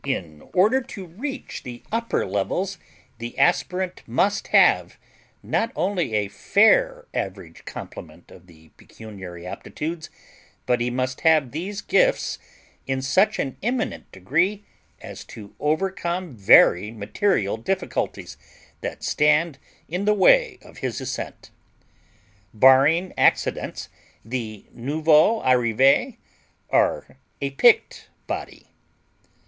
In order to reach the upper levels the aspirant must have, not only a fair average complement of the pecuniary aptitudes, but he must have these gifts in such an eminent degree as to overcome very material difficulties that stand in the way of his ascent. Barring accidents, the nouveaux arrivés are a picked body.